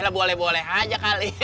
boleh boleh aja kali